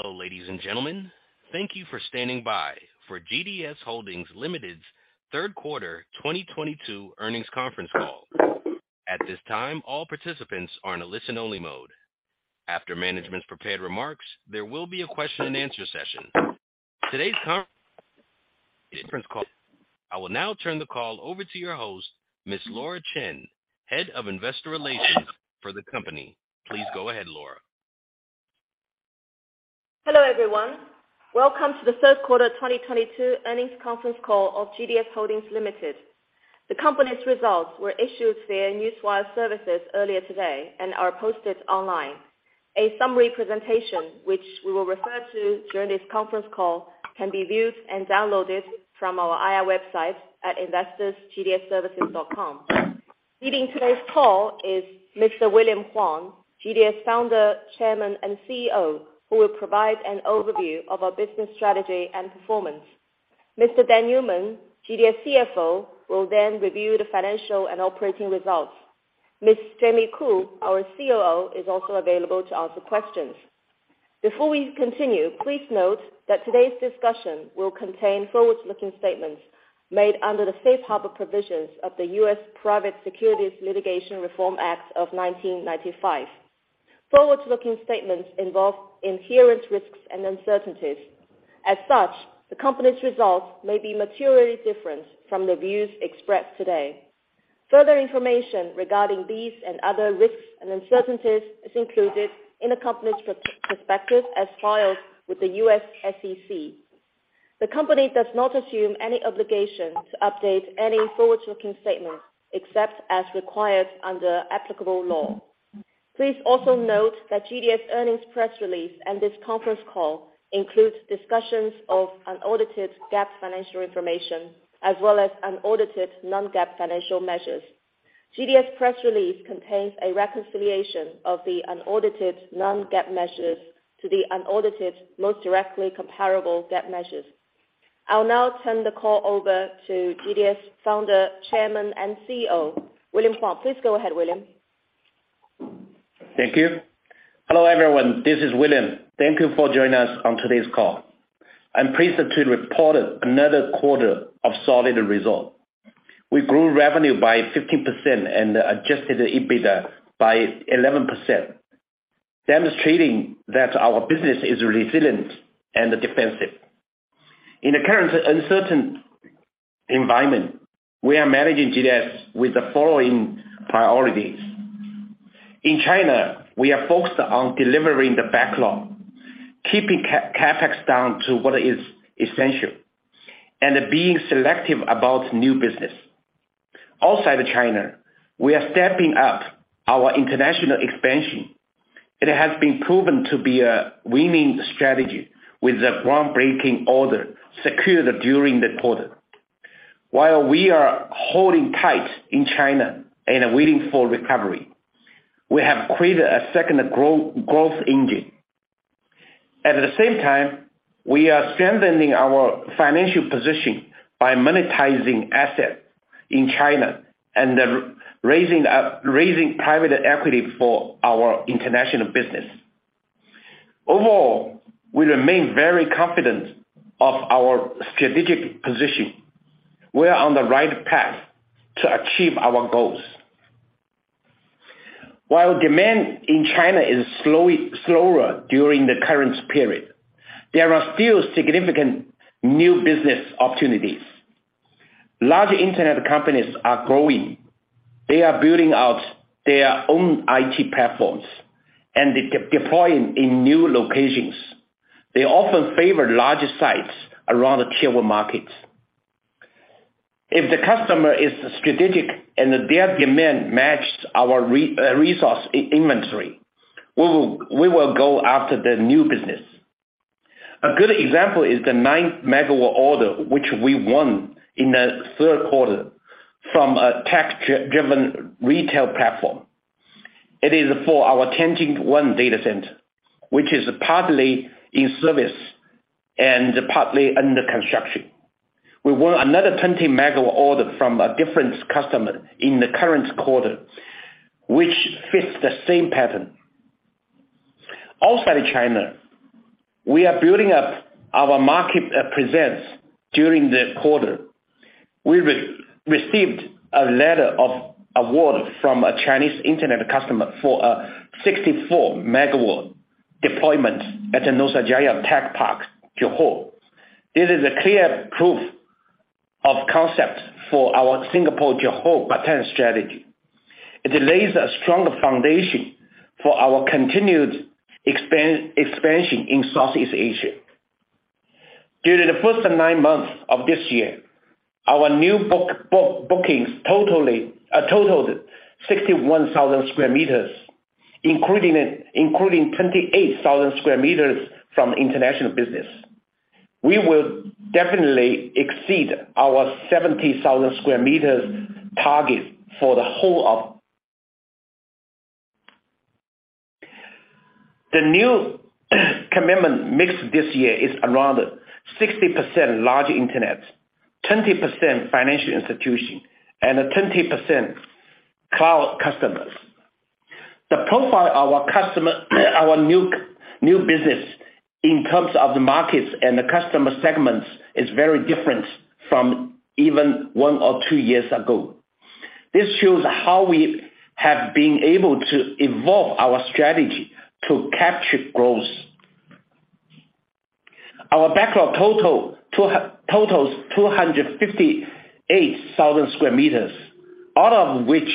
Hello, ladies and gentlemen. Thank you for standing by for GDS Holdings Limited's third quarter 2022 earnings conference call. At this time, all participants are in a listen only mode. After management's prepared remarks, there will be a question-and-answer session. I will now turn the call over to your host, Ms. Laura Chen, Head of Investor Relations for the company. Please go ahead, Laura. Hello, everyone. Welcome to the third quarter 2022 earnings conference call of GDS Holdings Limited. The company's results were issued via Newswire services earlier today and are posted online. A summary presentation, which we will refer to during this conference call, can be viewed and downloaded from our IR website at investors.gds-services.com. Leading today's call is Mr. William Huang, GDS founder, chairman, and CEO, who will provide an overview of our business strategy and performance. Mr. Dan Newman, GDS CFO, will review the financial and operating results. Ms. Jamie Khoo, our COO, is also available to answer questions. Before we continue, please note that today's discussion will contain forward-looking statements made under the Safe Harbor provisions of the U.S. Private Securities Litigation Reform Act of 1995. Forward-looking statements involve inherent risks and uncertainties. The company's results may be materially different from the views expressed today. Further information regarding these and other risks and uncertainties is included in the company's per-perspective as filed with the U.S. SEC. The company does not assume any obligation to update any forward-looking statement except as required under applicable law. Please also note that GDS earnings press release and this conference call includes discussions of unaudited GAAP financial information, as well as unaudited non-GAAP financial measures. GDS press release contains a reconciliation of the unaudited non-GAAP measures to the unaudited most directly comparable GAAP measures. I'll now turn the call over to GDS Founder, Chairman, and CEO, William Huang. Please go ahead, William. Thank you. Hello, everyone. This is William. Thank you for joining us on today's call. I'm pleased to report another quarter of solid result. We grew revenue by 15% and adjusted EBITDA by 11%, demonstrating that our business is resilient and defensive. In the current uncertain environment, we are managing GDS with the following priorities. In China, we are focused on delivering the backlog, keeping CAPEX down to what is essential, and being selective about new business. Outside China, we are stepping up our international expansion. It has been proven to be a winning strategy with the groundbreaking order secured during the quarter. While we are holding tight in China and waiting for recovery, we have created a second growth engine. At the same time, we are strengthening our financial position by monetizing assets in China and raising private equity for our international business. Overall, we remain very confident of our strategic position. We are on the right path to achieve our goals. While demand in China is slower during the current period, there are still significant new business opportunities. Large internet companies are growing. They are building out their own IT platforms and de-deploying in new locations. They often favor larger sites around the tier one markets. If the customer is strategic and their demand matches our resource inventory, we will go after the new business. A good example is the 9 MW order, which we won in the third quarter from a tech-driven retail platform. It is for our Tianjin one data center, which is partly in service and partly under construction. We won another 20 MW order from a different customer in the current quarter, which fits the same pattern. Outside China, we are building up our market presence during the quarter. We re-received a letter of award from a Chinese internet customer for a 64 MW deployment at the Nusajaya Tech Park, Johor. This is a clear proof of concept for our Singapore, Johor, Batam strategy. It lays a strong foundation for our continued expansion in Southeast Asia. During the first nine months of this year, our new bookings totally totaled 61,000 sq m, including 28,000 sq m from international business. We will definitely exceed our 70,000 sq m target for the whole of. The new commitment mix this year is around 60% large internet, 20% financial institution, and 20% Cloud customers. The profile our customer new business in terms of the markets and the customer segments is very different from even one or two years ago. This shows how we have been able to evolve our strategy to capture growth. Our backlog totals sq m, all of which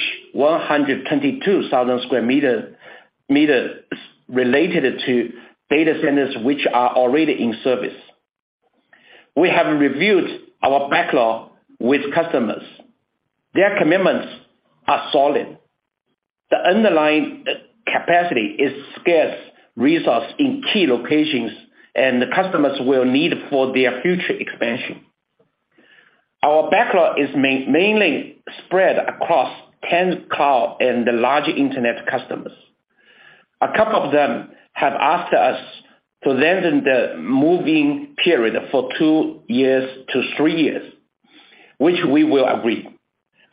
sq m related to data centers which are already in service. We have reviewed our backlog with customers. Their commitments are solid. The underlying capacity is scarce resource in key locations. The customers will need for their future expansion. Our backlog is mainly spread across 10 cloud and the large internet customers. A couple of them have asked us to lengthen the moving period for two years to three years, which we will agree.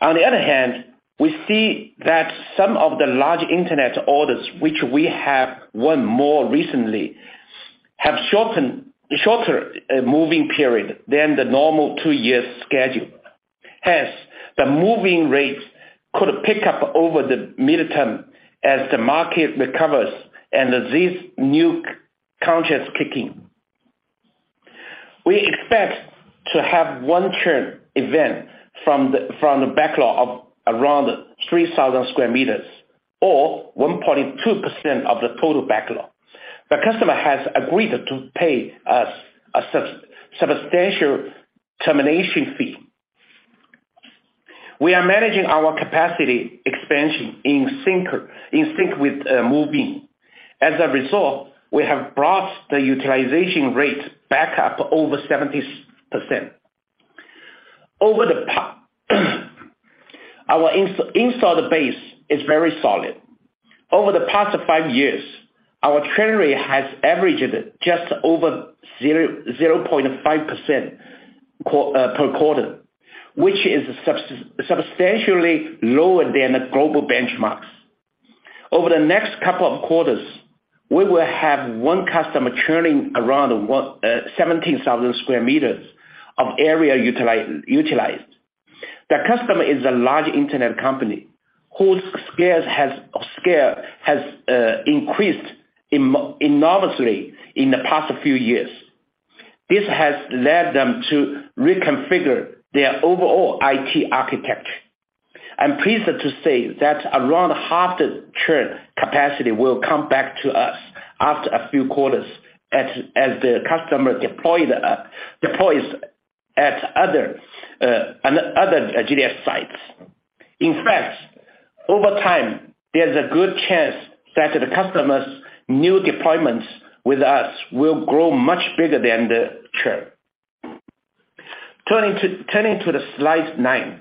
On the other hand, we see that some of the large internet orders which we have won more recently have shortened, shorter moving period than the normal two-year schedule. The moving rates could pick up over the midterm as the market recovers and these new counters kicking. We expect to have one churn event from the backlog of around sq m or 1.2% of the total backlog. The customer has agreed to pay us a substantial termination fee. We are managing our capacity expansion in sync with moving. As a result, we have brought the utilization rate back up over 70%. Our installed base is very solid. Over the past five years, our churn rate has averaged just over zero, 0.5% per quarter, which is substantially lower than the global benchmarks. Over the next couple of quarters, we will have one customer churning around sq m of area utilized. The customer is a large internet company whose scale has increased enormously in the past few years. This has led them to reconfigure their overall IT architecture. I'm pleased to say that around half the churn capacity will come back to us after a few quarters as the customer deploys at other-on-other GDS sites. In fact, over time, there's a good chance that the customer's new deployments with us will grow much bigger than the churn. Turning to the slide nine.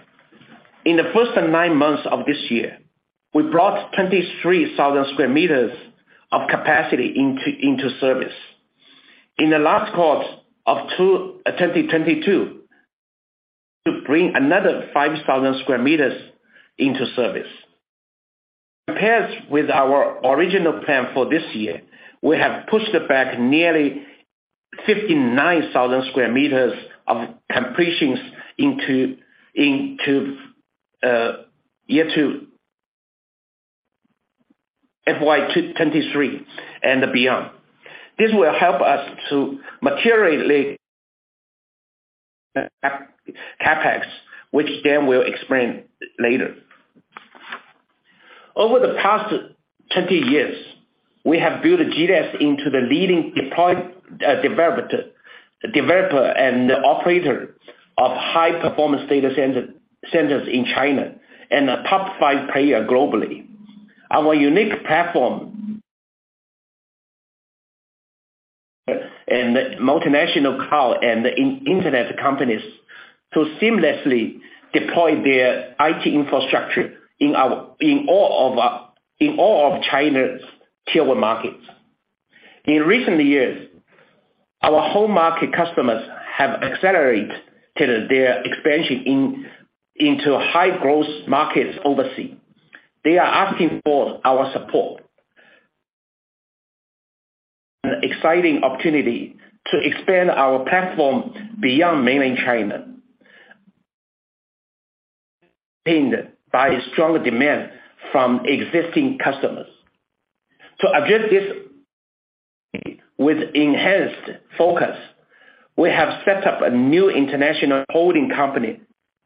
In the first nine months of this year, we brought sq m of capacity into service. In the last quarter of 2022, to bring another sq m into service. Compared with our original plan for this year, we have pushed back nearly sq m of completions into year two, FY 2023 and beyond. This will help us to materially CapEx, which Dan will explain later. Over the past 20 years, we have built GDS into the leading developer and operator of high-performance data centers in China and a top five player globally. Our unique platform. Multinational cloud and internet companies to seamlessly deploy their IT infrastructure in our, in all of China's tier one markets. In recent years, our home market customers have accelerated their expansion into high-growth markets overseas. They are asking for our support. An exciting opportunity to expand our platform beyond mainland China. Pinned by strong demand from existing customers. To address this with enhanced focus, we have set up a new international holding company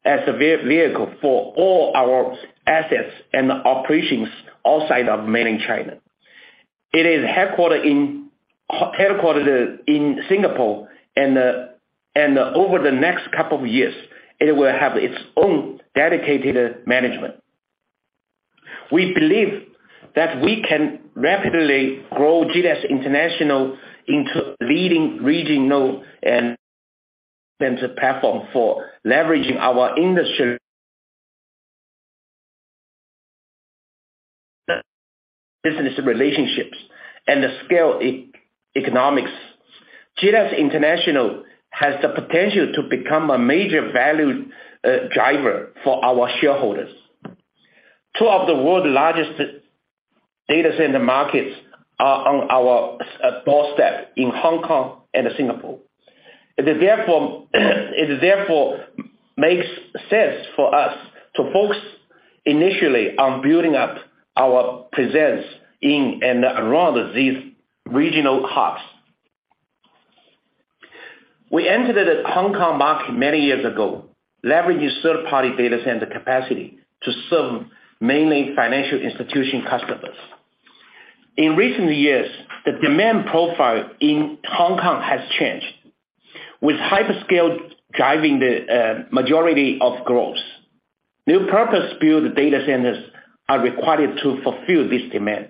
as a vehicle for all our assets and operations outside of mainland China. It is headquartered in, headquartered in Singapore, and over the next couple of years, it will have its own dedicated management. We believe that we can rapidly grow GDS International into leading regional and center platform for leveraging our industryThe business relationships and the scale economics. GDS International has the potential to become a major value driver for our shareholders. Two of the world's largest data center markets are on our doorstep in Hong Kong and Singapore. It therefore makes sense for us to focus initially on building up our presence in and around these regional hubs. We entered the Hong Kong market many years ago, leveraging third-party data center capacity to serve mainly financial institution customers. In recent years, the demand profile in Hong Kong has changed, with hyperscale driving the majority of growth. New purpose-built data centers are required to fulfill this demand.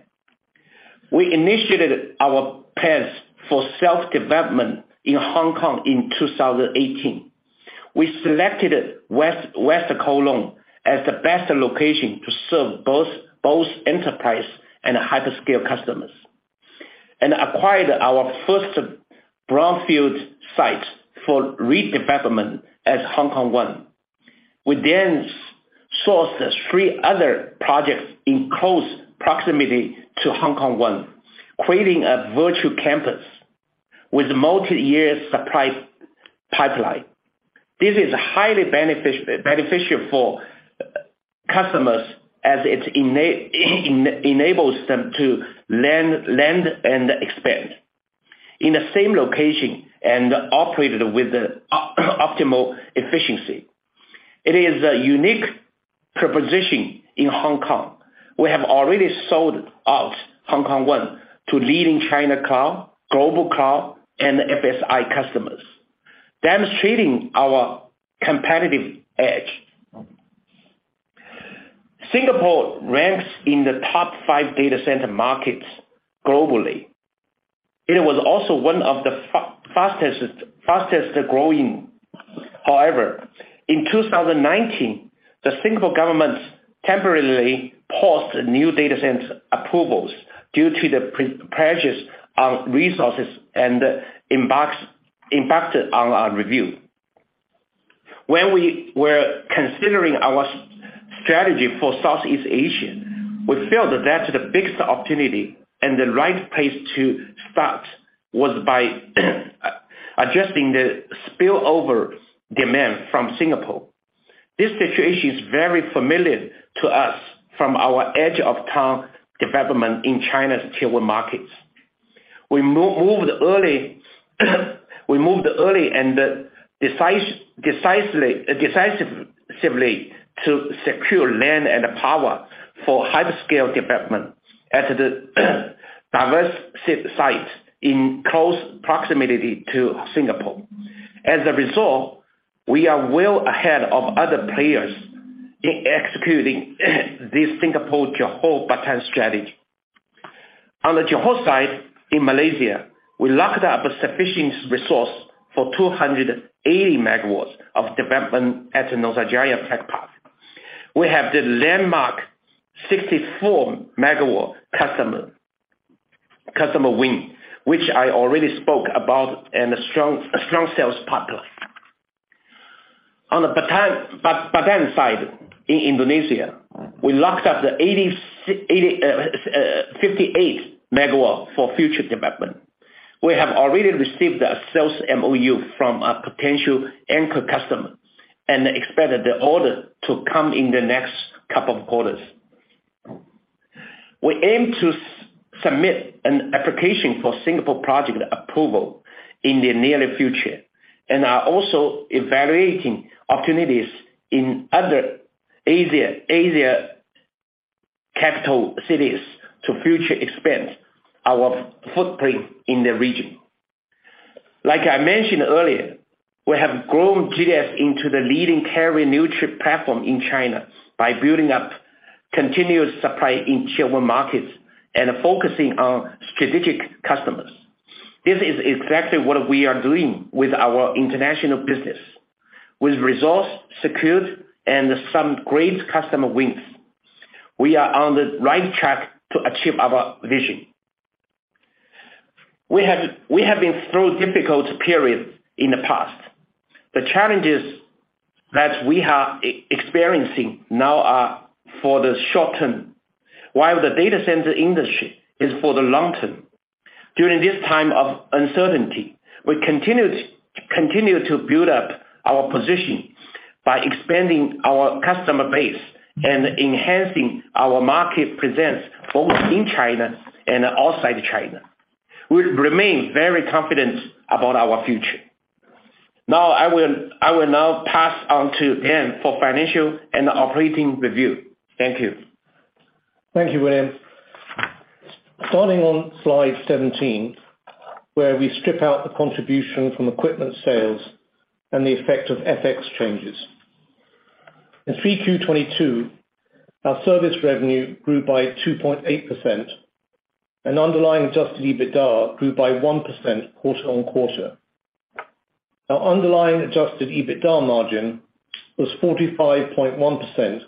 We initiated our plans for self-development in Hong Kong in 2018. We selected West Kowloon as the best location to serve both enterprise and hyperscale customers. Acquired our first brownfield site for redevelopment as Hong Kong 1. We sourced three other projects in close proximity to Hong Kong 1, creating a virtual campus with multi-year supply pipeline. This is highly beneficial for customers as it enables them to land and expand in the same location and operate with the optimal efficiency. It is a unique proposition in Hong Kong. We have already sold-out Hong Kong 1 to leading China cloud, global cloud and FSI customers, demonstrating our competitive edge. Singapore ranks in the top five data center markets globally. It was also one of the fastest growing. However, in 2019, the Singapore government temporarily paused new data center approvals due to the pressures on resources and impacted on our review. When we were considering our strategy for Southeast Asia, we felt that the biggest opportunity and the right place to start was by adjusting the spillover demand from Singapore. This situation is very familiar to us from our edge-of-town development in China's Tier 1 markets. We moved early and decisively to secure land and power for hyperscale development at the various sites in close proximity to Singapore. As a result, we are well ahead of other players in executing this Singapore-Johor-Batam strategy. On the Johor side in Malaysia, we locked up sufficient resource for 280 MW of development at the Nusajaya Tech Park. We have the landmark 64 MW customer win, which I already spoke about and a strong sales pipeline. On the Batam side in Indonesia, we locked up the 58 MW for future development. We have already received a sales MOU from a potential anchor customer, expect the order to come in the next couple of quarters. We aim to submit an application for Singapore project approval in the near future. Are also evaluating opportunities in other Asia capital cities to future expand our footprint in the region. Like I mentioned earlier, we have grown GDS into the leading carrier-neutral platform in China by building up continuous supply in Tier One markets and focusing on strategic customers. This is exactly what we are doing with our international business. With resource secured and some great customer wins, we are on the right track to achieve our vision. We have been through difficult periods in the past. The challenges that we are experiencing now are for the short term, while the data center industry is for the long term. During this time of uncertainty, we continue to build up our position by expanding our customer base and enhancing our market presence both in China and outside China. We remain very confident about our future. I will now pass on to Dan for financial and operating review. Thank you. Thank you, William. Starting on slide 17, where we strip out the contribution from equipment sales and the effect of FX changes. In 3Q 2022, our service revenue grew by 2.8% and underlying adjusted EBITDA grew by 1% quarter-on-quarter. Our underlying adjusted EBITDA margin was 45.1%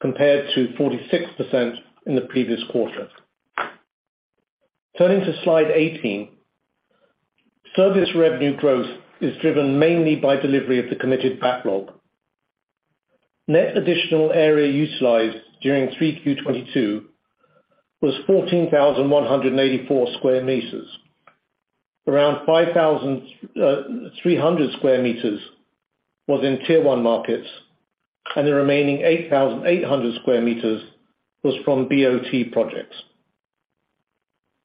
compared to 46% in the previous quarter. Turning to slide 18, service revenue growth is driven mainly by delivery of the committed backlog. Net additional area utilized during 3Q 2022 was sq m. around sq m was in tier one markets, and the remaining sq m was from BOT projects.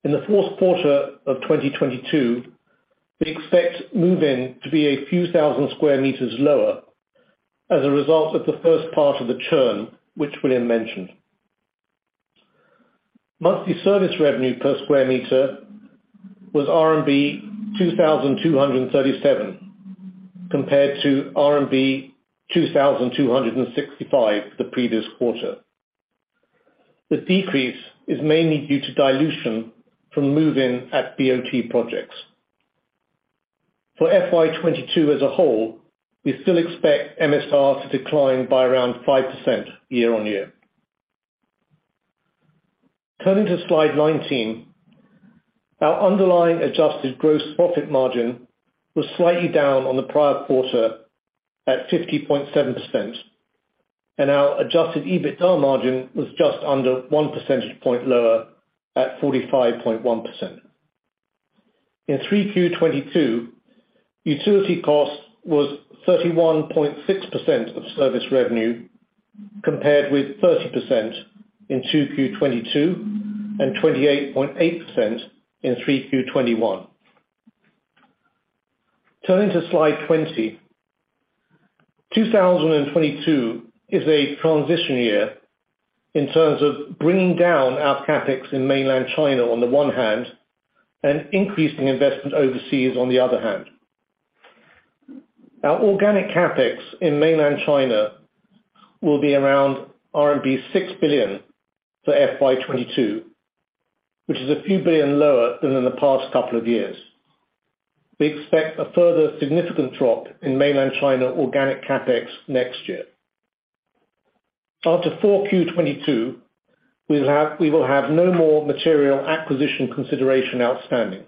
In the fourth quarter of 2022, we expect move-in to be a few sq m lower as a result of the first part of the churn, which William mentioned. Monthly service revenue per sq m was RMB 2,237, compared to RMB 2,265 the previous quarter. The decrease is mainly due to dilution from move-in at BOT projects. For FY 2022 as a whole, we still expect MSR to decline by around 5% year-on-year. Turning to slide 19, our underlying adjusted gross profit margin was slightly down on the prior quarter at 50.7%. Our adjusted EBITDA margin was just under one percentage point lower at 45.1%. In 3Q 2022, utility cost was 31.6% of service revenue, compared with 30% in 2Q 2022, and 28.8% in 3Q 2021. Turning to slide 20. 2022 is a transition year in terms of bringing down our CapEx in Mainland China on the one hand, and increasing investment overseas on the other hand. Our organic CapEx in Mainland China will be around RMB 6 billion for FY 2022, which is a few billion lower than in the past couple of years. We expect a further significant drop in Mainland China organic CapEx next year. After 4Q 2022, we will have no more material acquisition consideration outstanding.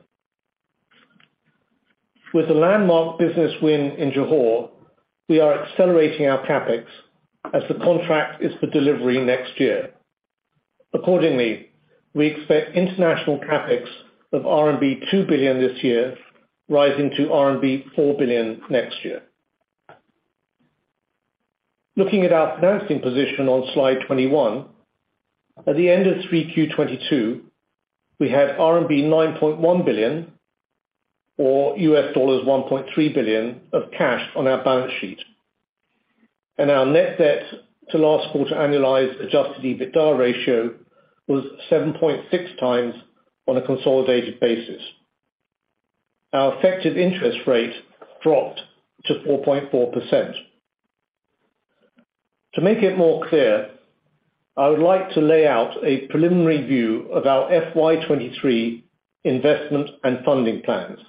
With the landmark business win in Johor, we are accelerating our CapEx as the contract is for delivery next year. Accordingly, we expect international CAPEX of RMB 2 billion this year, rising to RMB 4 billion next year. Looking at our financing position on slide 21. At the end of 3Q 2022, we have RMB 9.1 billion or $1.3 billion of cash on our balance sheet. Our net debt to last quarter annualized adjusted EBITDA ratio was 7.6x on a consolidated basis. Our effective interest rate dropped to 4.4%. To make it more clear, I would like to lay out a preliminary view of our FY 2023 investment and funding plans.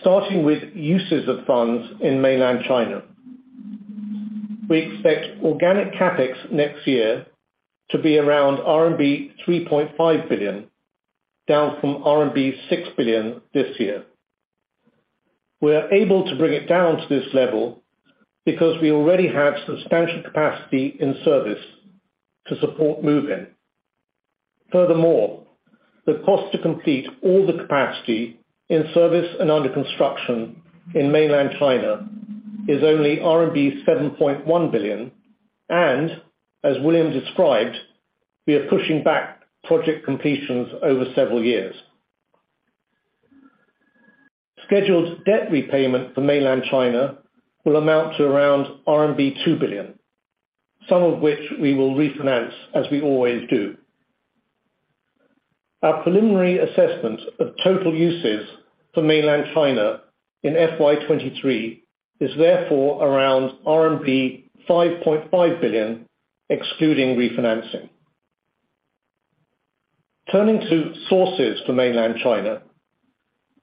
Starting with uses of funds in Mainland China. We expect organic CAPEX next year to be around RMB 3.5 billion, down from RMB 6 billion this year. We are able to bring it down to this level because we already have substantial capacity in service to support move-in. The cost to complete all the capacity in service and under construction in Mainland China is only RMB 7.1 billion. As William described, we are pushing back project completions over several years. Scheduled debt repayment for Mainland China will amount to around RMB 2 billion, some of which we will refinance as we always do. Our preliminary assessment of total uses for Mainland China in FY 2023 is therefore around RMB 5.5 billion, excluding refinancing. Turning to sources for Mainland China,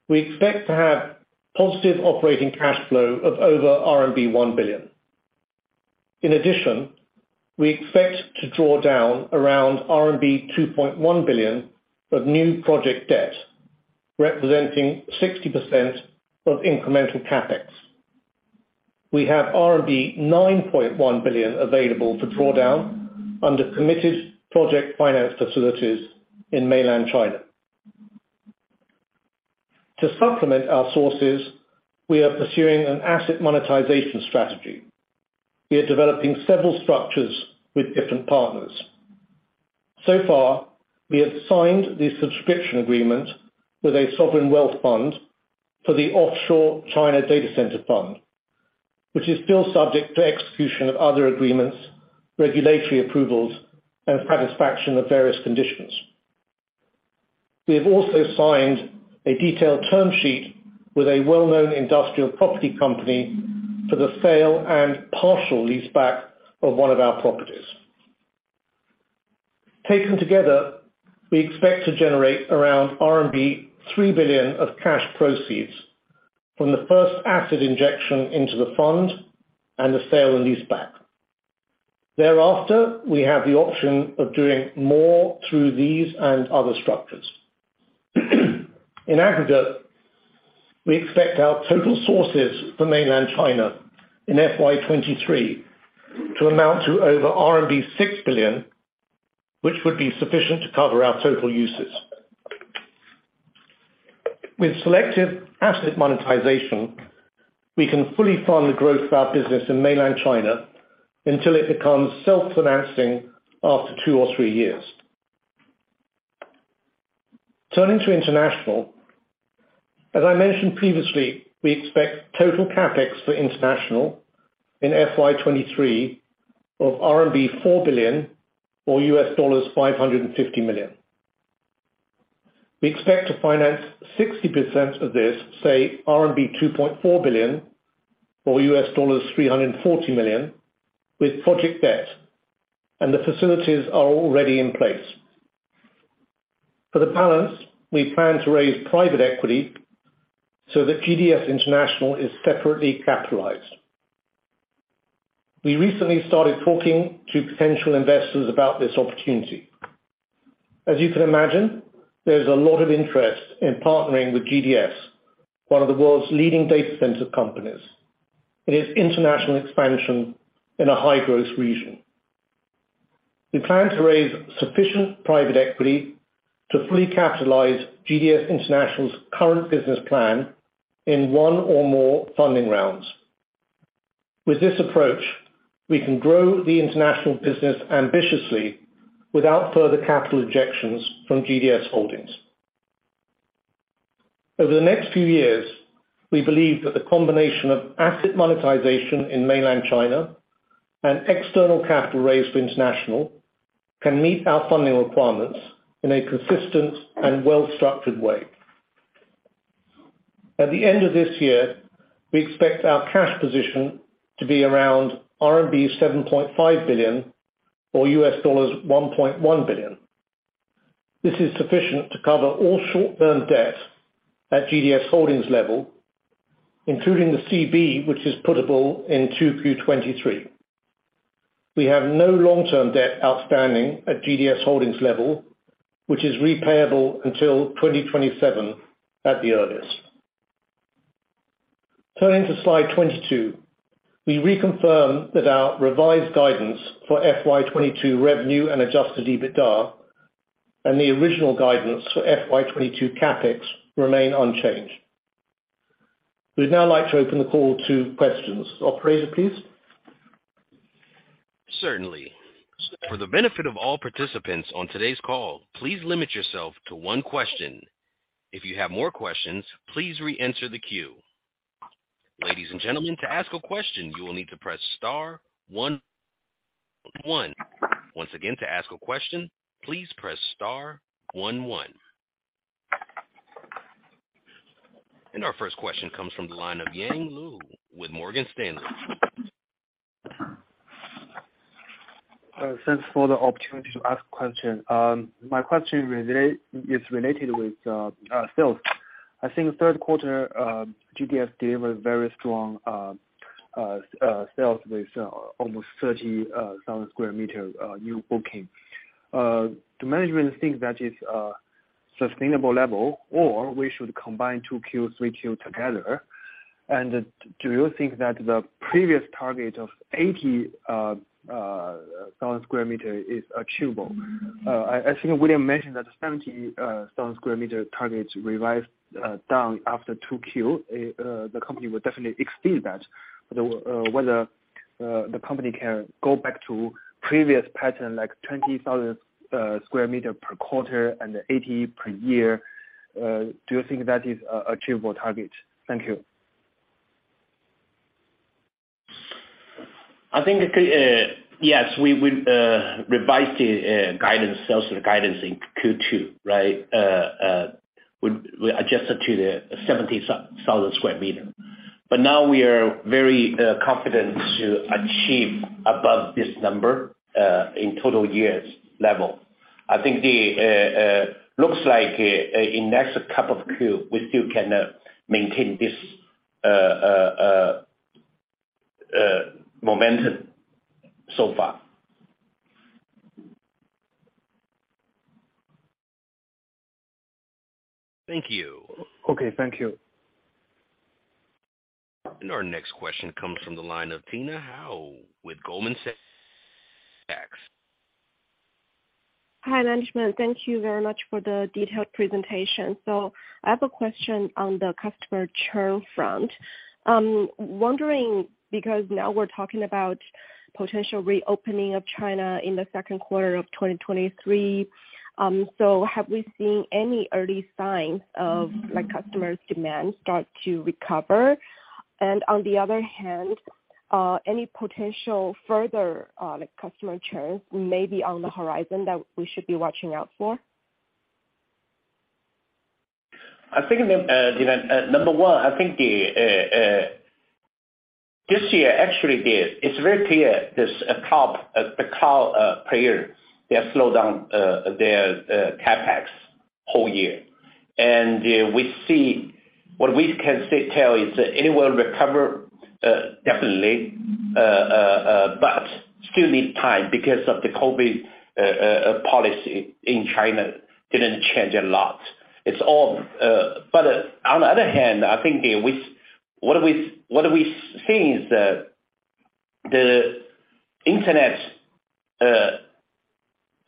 we expect to have positive operating cash flow of over RMB 1 billion. We expect to draw down around RMB 2.1 billion of new project debt, representing 60% of incremental CapEx. We have RMB 9.1 billion available to draw down under committed project finance facilities in Mainland China. To supplement our sources, we are pursuing an asset monetization strategy. We are developing several structures with different partners. Far, we have signed the subscription agreement with a sovereign wealth fund for the offshore China data center fund, which is still subject to execution of other agreements, regulatory approvals, and satisfaction of various conditions. We have also signed a detailed term sheet with a well-known industrial property company for the sale and partial leaseback of one of our properties. Taken together, we expect to generate around RMB 3 billion of cash proceeds from the first asset injection into the fund and the sale and lease back. Thereafter, we have the option of doing more through these and other structures. In aggregate, we expect our total sources for Mainland China in FY 2023 to amount to over RMB 6 billion, which would be sufficient to cover our total uses. With selective asset monetization, we can fully fund the growth of our business in Mainland China until it becomes self-financing after two or three years. Turning to international, as I mentioned previously, we expect total CAPEX for international in FY 2023 of RMB 4 billion or $550 million. We expect to finance 60% of this, say RMB 2.4 billion or $340 million with project debt. The facilities are already in place. For the balance, we plan to raise private equity so that GDS International is separately capitalized. We recently started talking to potential investors about this opportunity. As you can imagine, there's a lot of interest in partnering with GDS, one of the world's leading data center companies, in its international expansion in a high-growth region. We plan to raise sufficient private equity to fully capitalize GDS International's current business plan in one or more funding rounds. With this approach, we can grow the international business ambitiously without further capital injections from GDS Holdings. Over the next few years, we believe that the combination of asset monetization in Mainland China and external capital raise for international can meet our funding requirements in a consistent and well-structured way. At the end of this year, we expect our cash position to be around RMB 7.5 billion or $1.1 billion. This is sufficient to cover all short-term debt at GDS Holdings level, including the CB, which is puttable in 2Q 2023. We have no long-term debt outstanding at GDS Holdings level, which is repayable until 2027 at the earliest. Turning to slide 22. We reconfirm that our revised guidance for FY22 revenue and adjusted EBITDA and the original guidance for FY22 CapEx remain unchanged. We'd now like to open the call to questions. Operator, please. Certainly. For the benefit of all participants on today's call, please limit yourself to one question. If you have more questions, please reenter the queue. Ladies and gentlemen, to ask a question, you will need to press star one one. Once again, to ask a question, please press star one one. Our first question comes from the line of Yang Liu with Morgan Stanley. Thanks for the opportunity to ask a question. My question is related with our sales. I think third quarter GDS delivered very strong sales with almost 30,000 sq m new booking. Do management think that is a sustainable level or we should combine 2Q, 3Q together? Do you think that the previous target of 80,000 sq m is achievable? I think William mentioned that 70,000 sq m targets revised down after 2Q. The company would definitely exceed that. Whether the company can go back to previous pattern, like 20,000 sq m per quarter and 80 per year, do you think that is a achievable target? Thank you. I think yes, we would revise the guidance, sales guidance in Q2, right? We adjusted to the 70,000 sq m. Now we are very confident to achieve above this number in total years level. I think the looks like in next couple of Q, we still can maintain this momentum so far. Thank you. Okay. Thank you. Our next question comes from the line of Tina Hou with Goldman Sachs. Hi, management. Thank you very much for the detailed presentation. I have a question on the customer churn front. Wondering because now we're talking about potential reopening of China in the second quarter of 2023, have we seen any early signs of like customers demand start to recover? On the other hand, any potential further like customer churns maybe on the horizon that we should be watching out for? I think, you know, number one, I think the this year actually is, it's very clear there's a cloud, the cloud player, they have slowed down their CAPEX whole year. We see what we can still tell is that it will recover, definitely, but still need time because of the COVID policy in China didn't change a lot. It's all. On the other hand, I think what do we see is that the internet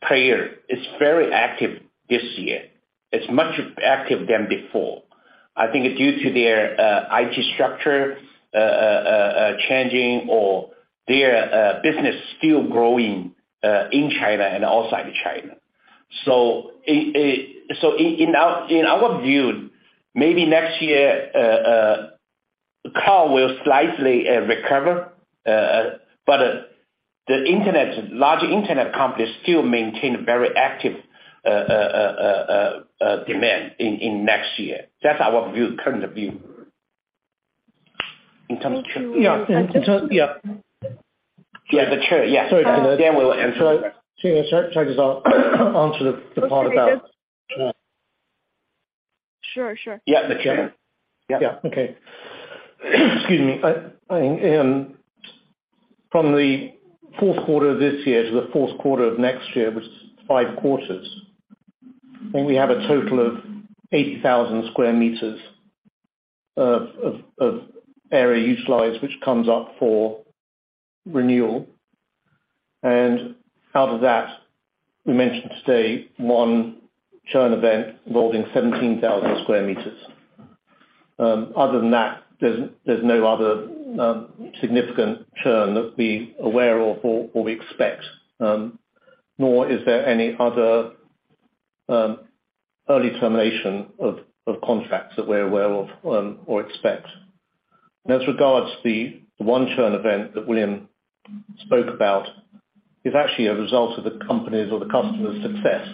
player is very active this year. It's much active than before. I think due to their IT structure changing or their business still growing in China and outside China. In our view, maybe next year, cloud will slightly recover, but the internet, large internet companies still maintain very active demand in next year. That's our view, current view. Thank you. Yeah. Yeah. Yeah, but yeah. Sorry. Dan will answer. Can I answer the part about. Sure. Yeah. Yeah. Okay. Excuse me. I, from the fourth quarter this year to the fourth quarter of next year, was five quarters, we have a total of sq m of area utilized, which comes up for renewal. Out of that, we mentioned today one churn event involving sq m. other than that, there's no other significant churn that we aware of or we expect, nor is there any other early termination of contracts that we're aware of or expect. As regards the one churn event that William spoke about, is actually a result of the company's or the customer's success,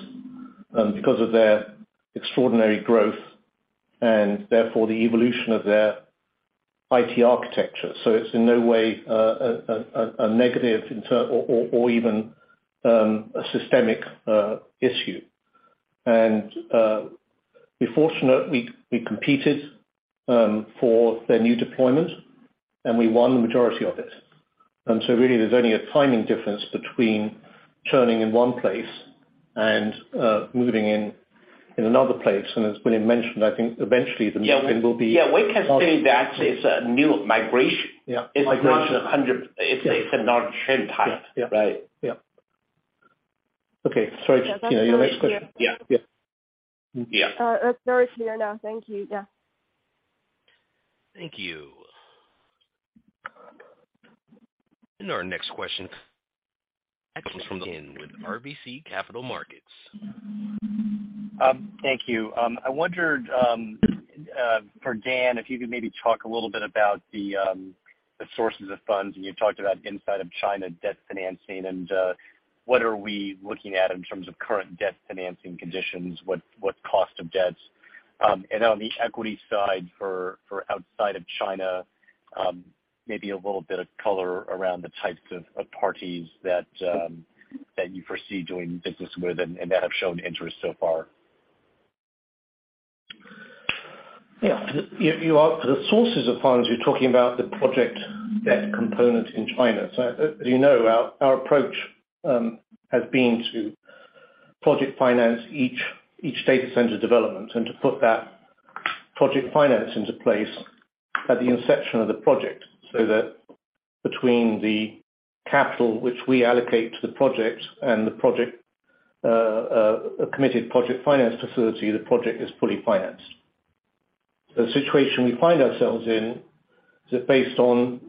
because of their extraordinary growth and therefore the evolution of their IT architecture. It's in no way, a negative in term or even, a systemic issue. We fortunately we competed, for their new deployment, and we won the majority of it. Really there's only a timing difference between churning in one place and, moving in another place. As William mentioned, I think eventually the movement will be. Yeah. We can say that it's a new migration. Yeah. Migration. It's not churn type. Yeah. Yeah. Right. Yeah. Okay. Sorry, Tina, your next question. That's very clear. Yeah. Yeah. That's very clear now. Thank you. Yeah. Thank you. Our next question comes from Jonathan Atkin with RBC Capital Markets. Thank you. I wondered for Dan, if you could maybe talk a little bit about the sources of funds, and you talked about inside of China debt financing and what are we looking at in terms of current debt financing conditions? What cost of debts? On the equity side for outside of China, maybe a little bit of color around the types of parties that you foresee doing business with and that have shown interest so far. You asked for the sources of funds. You're talking about the project debt component in China. As you know, our approach has been to project finance each data center development and to put that project finance into place at the inception of the project. That between the capital which we allocate to the project and the project, a committed project finance facility, the project is fully financed. The situation we find ourselves in is that based on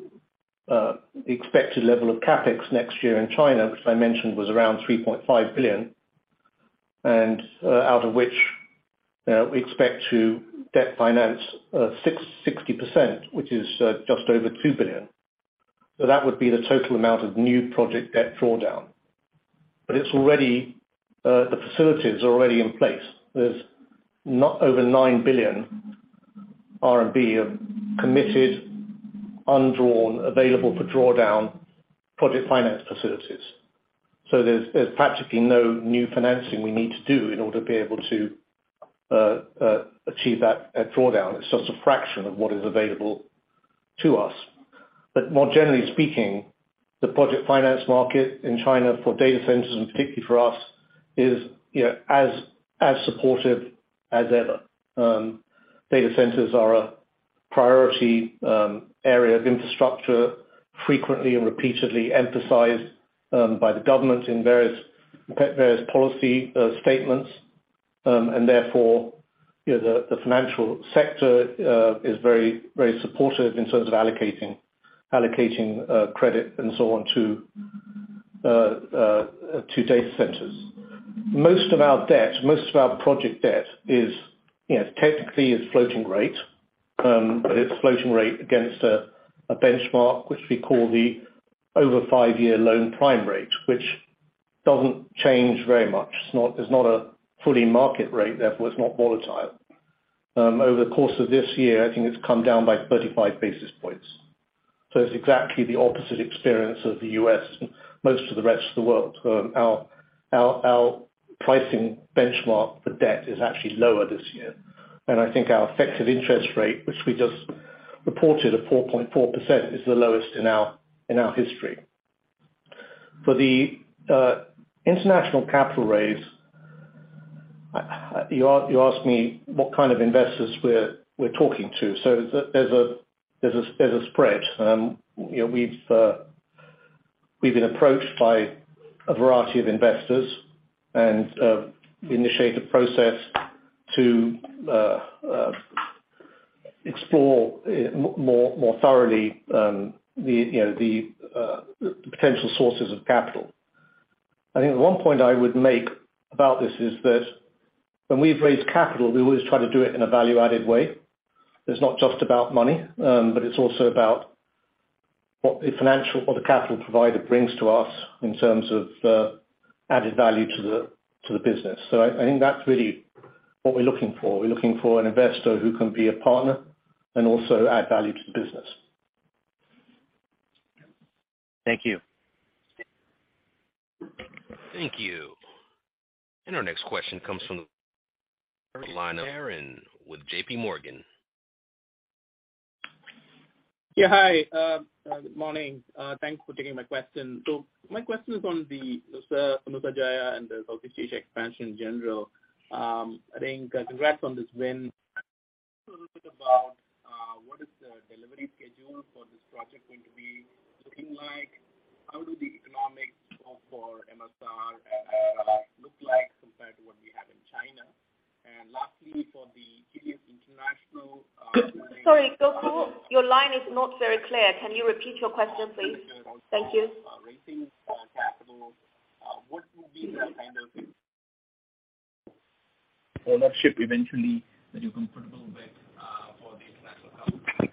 expected level of CapEx next year in China, which I mentioned was around 3.5 billion, and out of which, we expect to debt finance 60%, which is just over 2 billion. That would be the total amount of new project debt drawdown. It's already, the facilities are already in place. There's not over 9 billion RMB of committed, undrawn, available for drawdown project finance facilities. There's practically no new financing we need to do in order to be able to achieve that drawdown. It's just a fraction of what is available to us. More generally speaking, the project finance market in China for data centers, and particularly for us, is, you know, as supportive as ever. Data centers are a priority area of infrastructure frequently and repeatedly emphasized by the government in various policy statements. Therefore, you know, the financial sector is very supportive in terms of allocating credit and so on to data centers. Most of our debt, most of our project debt, you know, technically is floating rate, but it's floating rate against a benchmark which we call the over five-year Loan Prime Rate, which doesn't change very much. It's not a fully market rate, therefore, it's not volatile. Over the course of this year, I think it's come down by 35 basis points. It's exactly the opposite experience of the U.S. and most of the rest of the world. Our pricing benchmark for debt is actually lower this year. I think our effective interest rate, which we just reported of 4.4%, is the lowest in our history. For the international capital raise, you asked me what kind of investors we're talking to. There's a spread. You know, we've been approached by a variety of investors and, we initiate a process to explore more thoroughly the, you know, the potential sources of capital. I think one point I would make about this is that when we've raised capital, we always try to do it in a value-added way. It's not just about money, but it's also about what the capital provider brings to us in terms of added value to the business. I think that's really what we're looking for. We're looking for an investor who can be a partner and also add value to the business. Thank you. Thank you. Our next question comes from the line of Aaron with JP Morgan. Yeah, hi. Good morning. Thanks for taking my question. My question is on the Nusajaya and the Southeast Asia expansion in general. I think congrats on this win. A little bit about what is the delivery schedule for this project going to be looking like? How do the economics go for MSR and look like compared to what we have in China? Lastly, for the international, Sorry, Gokul. Your line is not very clear. Can you repeat your question, please? Thank you. Raising capital. What will be the kind of ownership eventually that you're comfortable with for the international company?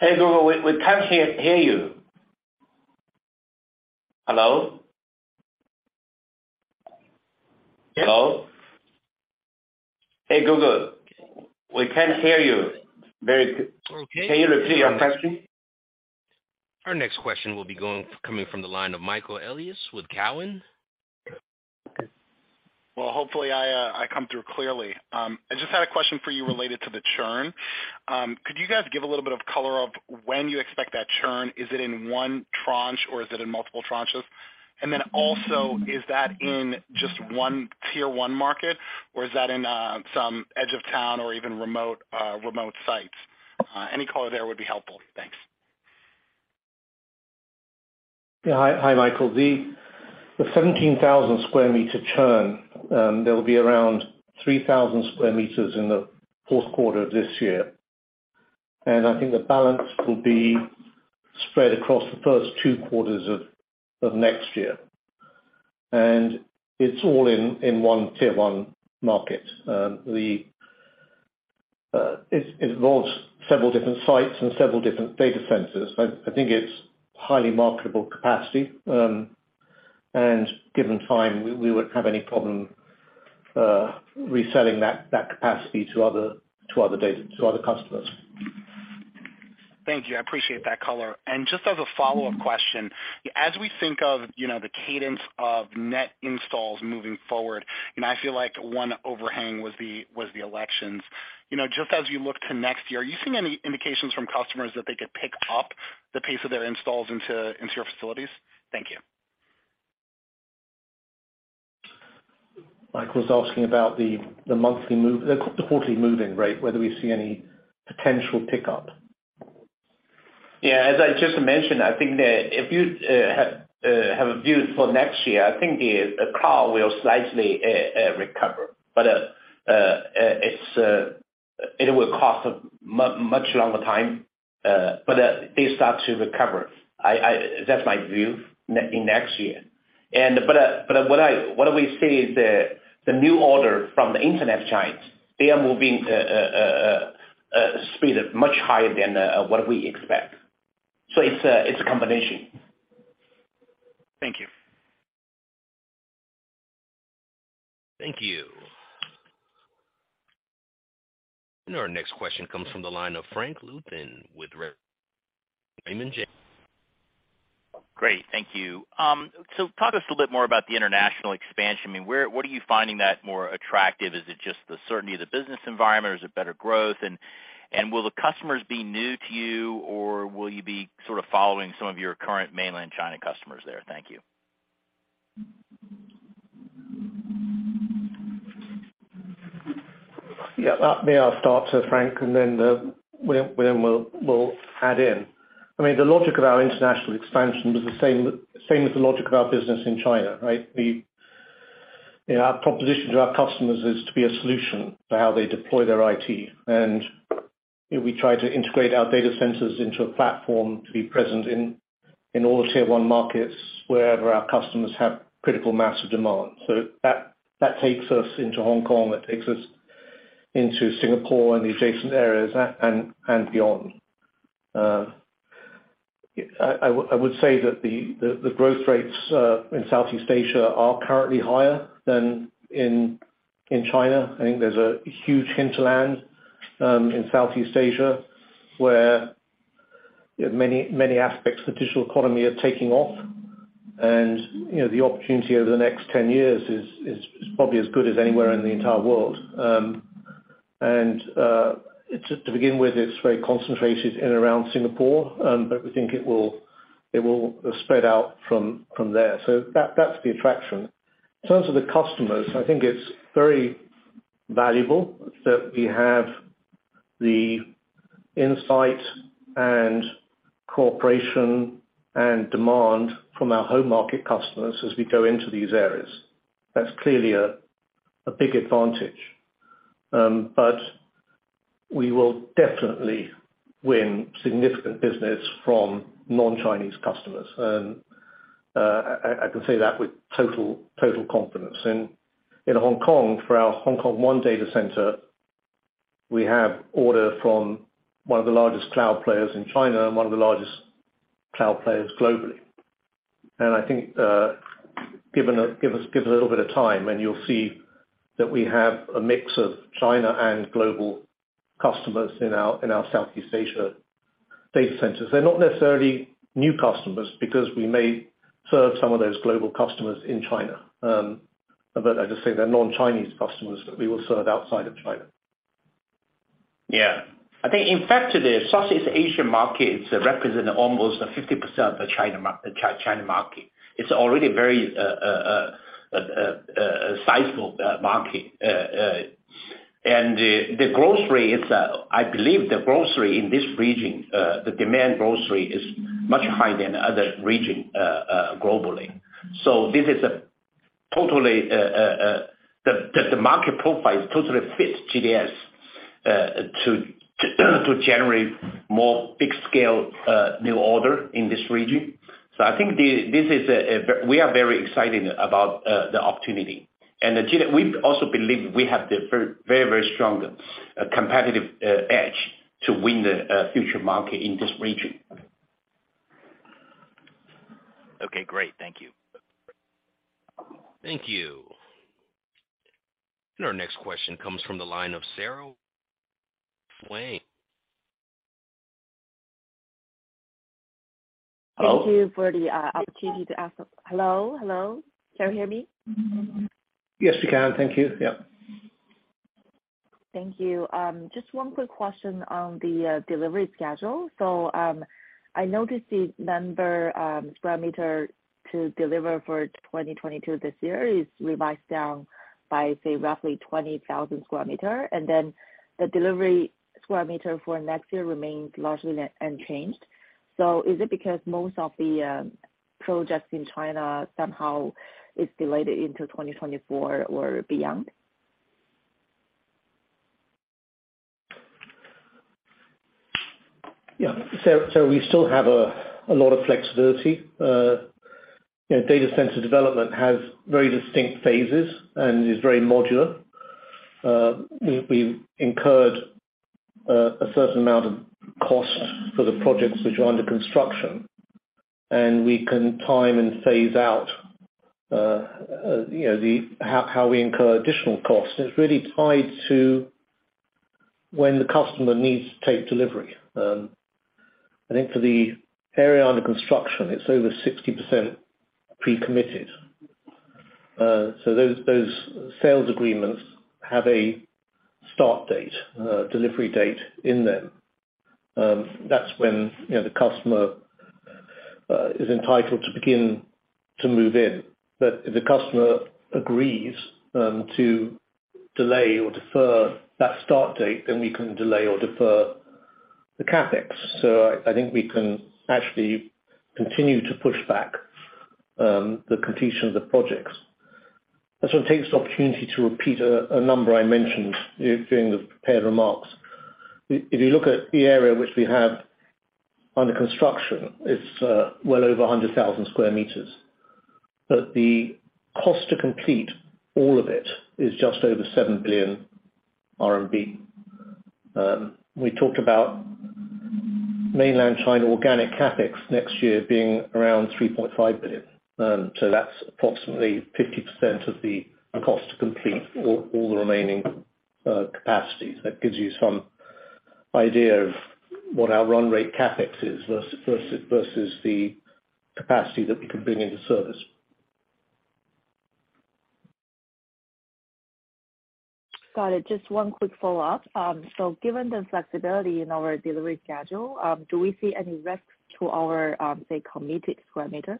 Hey, Gokul, we can't hear you. Hello? Hello? Hey, Gokul. We can't hear you. Okay. Can you repeat your question? Our next question will be coming from the line of Michael Elias with Cowen. Well, hopefully, I come through clearly. I just had a question for you related to the churn. Could you guys give a little bit of color of when you expect that churn? Is it in one tranche, or is it in multiple tranches? Also, is that in just one Top-tier market, or is that in some edge of town or even remote remote sites? Any color there would be helpful. Thanks. Yeah. Hi, Michael. The 17,000 sq m churn, there will be around sq m in the fourth quarter of this year. I think the balance will be spread across the first two quarters of next year. It's all in one Top-tier market. It involves several different sites and several different data centers. I think it's highly marketable capacity. given time, we wouldn't have any problem reselling that capacity to other customers. Thank you. I appreciate that color. Just as a follow-up question, as we think of, you know, the cadence of net installs moving forward, I feel like one overhang was the elections. You know, just as you look to next year, are you seeing any indications from customers that they could pick up the pace of their installs into your facilities? Thank you. Michael was asking about the quarterly move-in rate, whether we see any potential pickup. Yeah. As I just mentioned, I think that if you have a view for next year, I think the CAR will slightly recover. But it will cost a much longer time, but they start to recover. I. That's my view in next year. But what I, what we see is the new order from the Internet giants, they are moving speed much higher than what we expect. It's a combination. Thank you. Thank you. Our next question comes from the line of Frank Louthan with Raymond James. Great. Thank you. Talk to us a little bit more about the international expansion. I mean, what are you finding that more attractive? Is it just the certainty of the business environment? Is it better growth? Will the customers be new to you, or will you be sort of following some of your current Mainland China customers there? Thank you. May I start, Frank, and then William and will add in. I mean, the logic of our international expansion is the same as the logic of our business in China, right? You know, our proposition to our customers is to be a solution to how they deploy their IT. You know, we try to integrate our data centers into a platform to be present in all Tier one markets wherever our customers have critical mass of demand. That takes us into Hong Kong, it takes us into Singapore and the adjacent areas and beyond. I would say that the growth rates in Southeast Asia are currently higher than in China. I think there's a huge hinterland in Southeast Asia, where, you know, many, many aspects of the digital economy are taking off. You know, the opportunity over the next 10 years is probably as good as anywhere in the entire world. To begin with, it's very concentrated in and around Singapore, but we think it will spread out from there. So that's the attraction. In terms of the customers, I think it's very valuable that we have the insight and cooperation and demand from our home market customers as we go into these areas. That's clearly a big advantage. We will definitely win significant business from non-Chinese customers. I can say that with total confidence. In Hong Kong, for our Hong Kong one data center, we have order from one of the largest cloud players in China and one of the largest cloud players globally. I think, give us a little bit of time, and you'll see that we have a mix of China and global customers in our Southeast Asia data centers. They're not necessarily new customers because we may serve some of those global customers in China. I just say they're non-Chinese customers that we will serve outside of China. Yeah. I think in fact, today, Southeast Asian markets represent almost 50% of the China market. It's already very a sizable market. The growth rate is, I believe the growth rate in this region, the demand growth rate is much higher than other region globally. This is a totally the market profile totally fits GDS to generate more big scale new order in this region. I think this is We are very excited about the opportunity. We also believe we have the very, very, very strong competitive edge to win the future market in this region. Okay, great. Thank you. Thank you. Our next question comes from the line of Sara Wang. Hello? Thank you for the opportunity to ask a... Hello? Can you hear me? Yes, we can. Thank you. Yeah. Thank you. Just one quick question on the delivery schedule. I noticed the number sq m to deliver for 2022 this year is revised down by, say, roughly 20,000 sq m. The delivery sq m for next year remains largely unchanged. Is it because most of the projects in China somehow is delayed into 2024 or beyond? Yeah. So we still have a lot of flexibility. You know, data center development has very distinct phases and is very modular. We've incurred a certain amount of cost for the projects which are under construction, and we can time and phase out, you know, How we incur additional costs. It's really tied to when the customer needs to take delivery. I think for the area under construction, it's over 60% pre-committed. So those sales agreements have a start date, delivery date in them. That's when, you know, the customer is entitled to begin to move in. If the customer agrees to delay or defer that start date, then we can delay or defer the CapEx. I think we can actually continue to push back the completion of the projects. I just want to take this opportunity to repeat a number I mentioned during the prepared remarks. If you look at the area which we have under construction, it's well over sq m. the cost to complete all of it is just over 7 billion RMB. We talked about mainland China organic CapEx next year being around 3.5 billion. That's approximately 50% of the cost to complete all the remaining capacity. That gives you some idea of what our run rate CapEx is versus the capacity that we can bring into service. Got it. Just one quick follow-up. Given the flexibility in our delivery schedule, do we see any risk to our, say, committed sq m?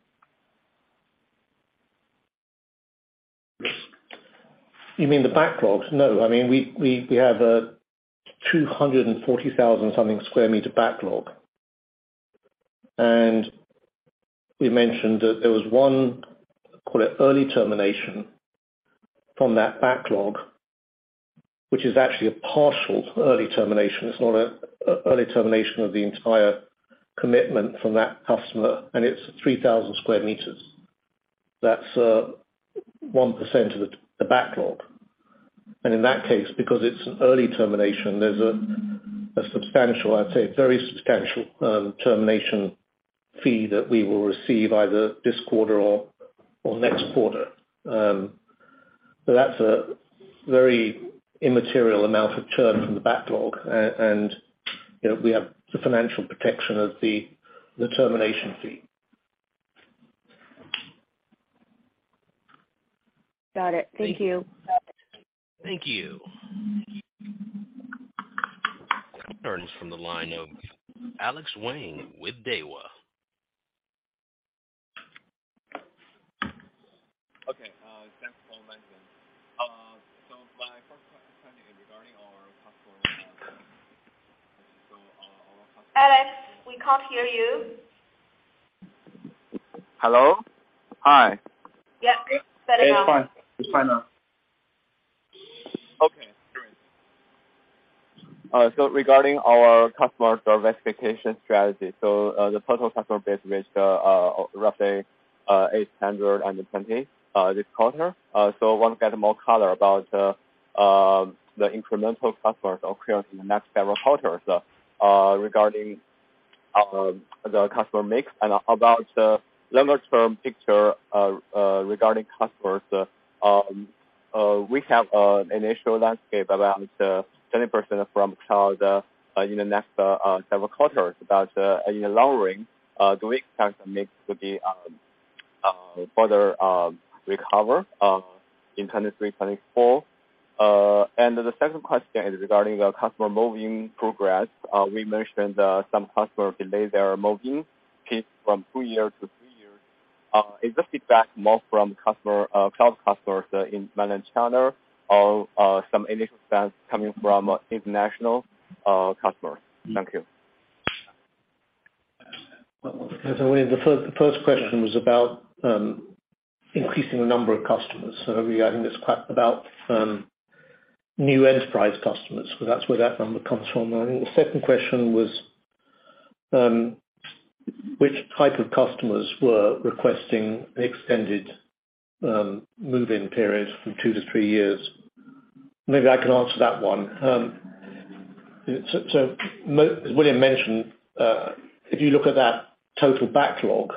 You mean the backlogs? No. I mean, we have a 240,000 something sq m backlog. We mentioned that there was 1, call it, early termination from that backlog, which is actually a partial early termination. It's not an early termination of the entire commitment from that customer. It's sq m. that's 1% of the backlog. In that case, because it's an early termination, there's a substantial, I'd say, a very substantial termination fee that we will receive either this quarter or next quarter. That's a very immaterial amount of churn from the backlog. You know, we have the financial protection of the termination fee. Got it. Thank you. Thank you. Next comes from the line of Alex Wang with Daiwa. Okay. Thanks for mentioning. My first question is regarding our customer- Alex, we can't hear you. Hello? Hi. Please better now. Yeah, fine. It's fine now. Okay, great. Regarding our customer diversification strategy, the total customer base reached roughly 820 this quarter. I want to get more color about the incremental customers acquired in the next several quarters regarding our customer mix and about the longer term picture regarding customers. We have initial landscape around 20% from cloud in the next several quarters. In the long run, do we expect the mix to be further recover in 2023, 2024? The second question is regarding our customer move-in progress. We mentioned some customer delayed their move-in pace from two years to three years. Is this feedback more from customer, cloud customers in Mainland China or some initial sales coming from international customers? Thank you. The first question was about increasing the number of customers. I think it's quite about new enterprise customers, so that's where that number comes from. The second question was which type of customers were requesting extended move-in periods from two to three years? Maybe I can answer that one. William mentioned, if you look at that total backlog,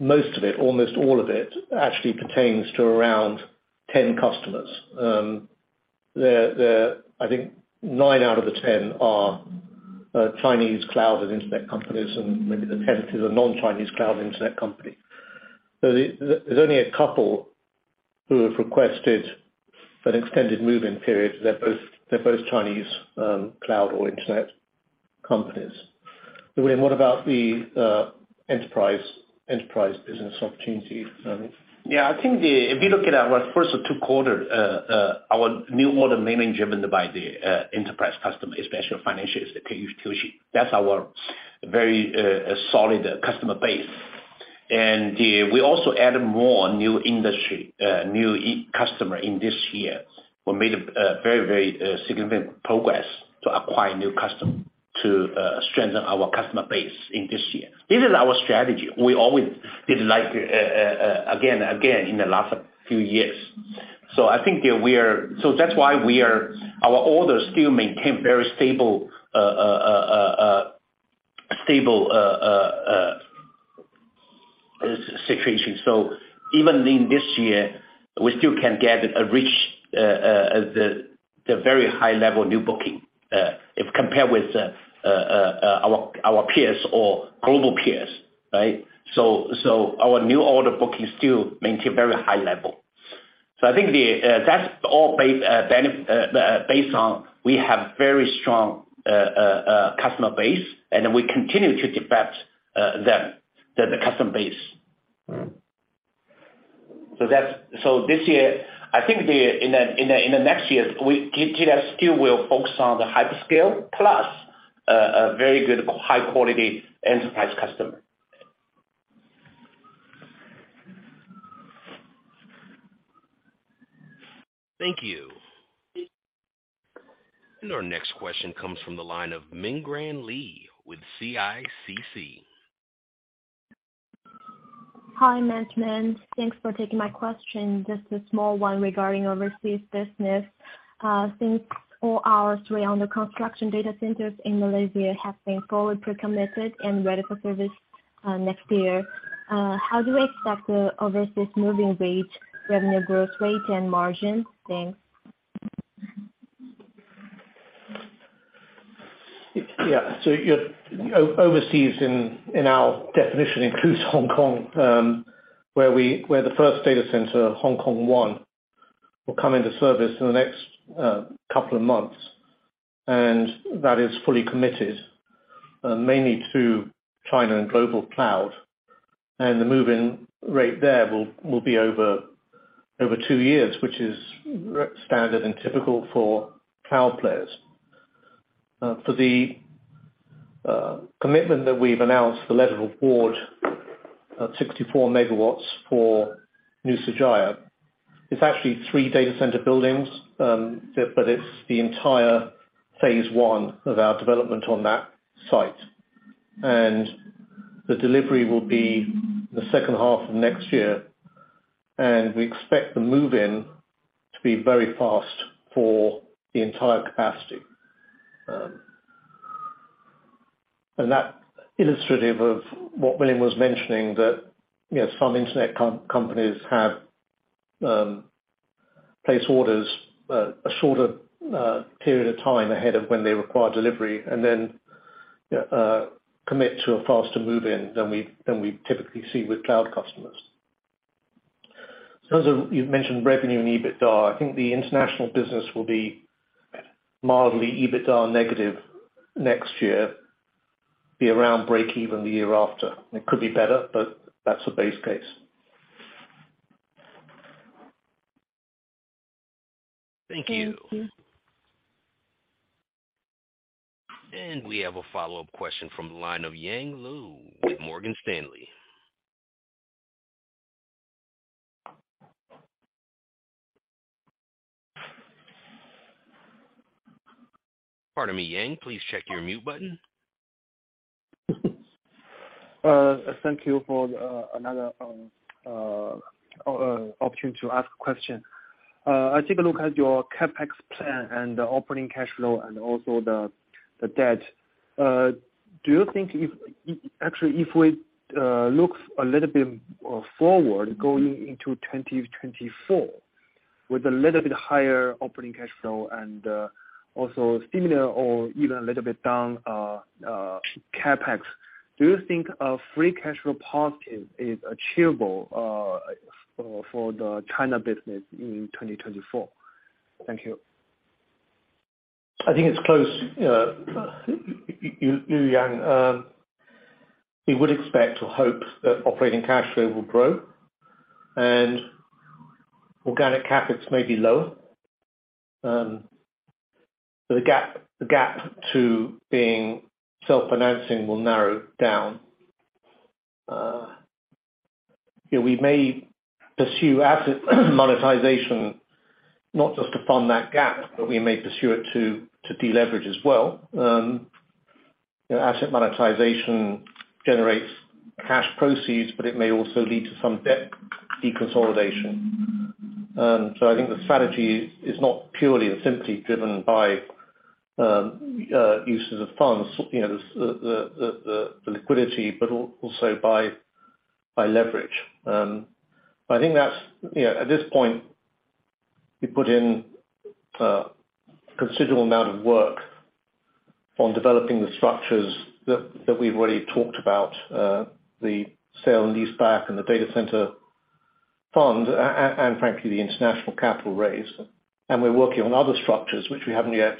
most of it, almost all of it actually pertains to around 10 customers. I think nine out of the 10 are Chinese cloud and internet companies, and maybe the tenth is a non-Chinese cloud internet company. There's only a couple who have requested an extended move-in period. They're both Chinese cloud or internet companies. William, what about the enterprise business opportunity? Yeah. I think if you look at our first two quarter, our new order mainly driven by the enterprise customer, especially financials, the Top-tier. That's our very solid customer base. We also added more new industry, new e-customer in this year. We made a very, very significant progress to acquire new customer to strengthen our customer base in this year. This is our strategy. We always did like again in the last few years. I think that's why our orders still maintain very stable situation. Even in this year, we still can get a rich, the very high level new booking, if compared with our peers or global peers, right? Our new order booking still maintain very high level. I think the, that's all base, based on we have very strong customer base, and we continue to depict them, the customer base. Mm-hmm. This year, I think in the next years, GDS still will focus on the hyperscale plus, a very good high quality enterprise customer. Thank you. Our next question comes from the line of Mingxuan Li with CICC. Hi, Management. Thanks for taking my question. Just a small one regarding overseas business. Since all our three under construction data centers in Malaysia have been fully pre-committed and ready for service next year, how do we expect the overseas moving rate, revenue growth rate and margin? Thanks. Your overseas, in our definition, includes Hong Kong, where the first data center, Hong Kong one, will come into service in the next couple of months. That is fully committed, mainly to China and Global Cloud. The move-in rate there will be over two years, which is standard and typical for cloud players. For the commitment that we've announced, the letter of award of 64 MW for Nusajaya, it's actually three data center buildings, but it's the entire phase one of our development on that site. The delivery will be the second half of next year. We expect the move-in to be very fast for the entire capacity. That illustrative of what William was mentioning, that, you know, some internet companies have place orders a shorter period of time ahead of when they require delivery and then commit to a faster move-in than we typically see with cloud customers. As you've mentioned revenue and EBITDA, I think the international business will be mildly EBITDA negative next year. Be around break even the year after. It could be better, but that's the base case. Thank you. We have a follow-up question from the line of Yang Liu with Morgan Stanley. Pardon me, Yang, please check your mute button. Thank you for another option to ask a question. I take a look at your CapEx plan and the operating cash flow and also the debt. Do you think if, actually, if we look a little bit forward going into 2024 with a little bit higher operating cash flow and also similar or even a little bit down CapEx, do you think a free cash flow positive is achievable for the China business in 2024? Thank you. I think it's close. Yang, we would expect or hope that operating cash flow will grow and organic CapEx may be lower. The gap, the gap to being self-financing will narrow down. You know, we may pursue asset monetization not just to fund that gap, but we may pursue it to deleverage as well. You know, asset monetization generates cash proceeds, but it may also lead to some debt deconsolidation. I think the strategy is not purely and simply driven by uses of funds, you know, the liquidity, but also by leverage. I think that's, you know... At this point, we put in a considerable amount of work on developing the structures that we've already talked about, the sale and lease back and the data center fund and frankly, the international capital raise. We're working on other structures which we haven't yet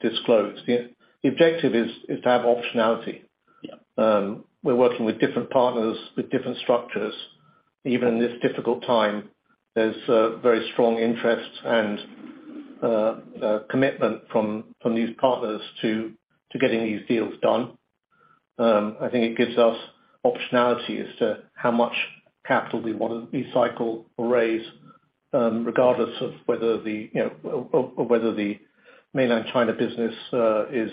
disclosed yet. The objective is to have optionality. We're working with different partners with different structures. Even in this difficult time, there's very strong interest and commitment from these partners to getting these deals done. I think it gives us optionality as to how much capital we wanna recycle or raise, regardless of whether the, you know, or whether the Mainland China business is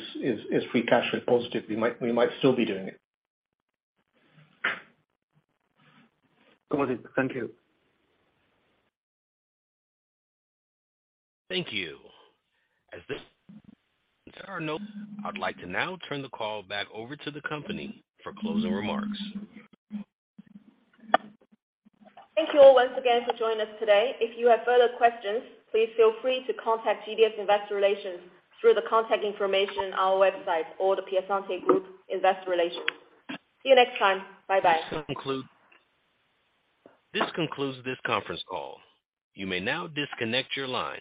free cash flow positive. We might still be doing it. Thank you. Thank you. As this our notes, I'd like to now turn the call back over to the company for closing remarks. Thank you all once again for joining us today. If you have further questions, please feel free to contact GDS Investor Relations through the contact information on our website or The Piacente Group Investor Relations. See you next time. Bye-bye. This concludes this conference call. You may now disconnect your line.